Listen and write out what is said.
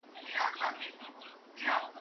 چي ئې زده د کميس غاړه، هغه ئې خوري په لکه غاړه.